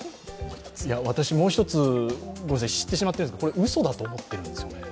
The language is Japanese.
私、もう一つ知ってしまってるんですがうそだと思ってるんですよ。